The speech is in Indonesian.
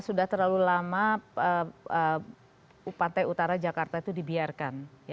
sudah terlalu lama pantai utara jakarta itu dibiarkan